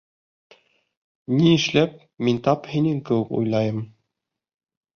— Ни эшләп, мин тап һинең кеүек уйлайым.